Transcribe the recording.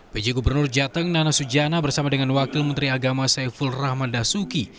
pj gubernur jateng nana sujana bersama dengan wakil menteri agama saiful rahman dasuki